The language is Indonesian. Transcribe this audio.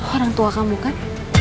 orang tua kamu kan